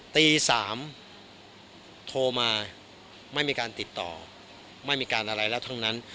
ตี๓โทรมาไม่มีการติดต่อไม่มีการอะไรแล้วทั้งนั้น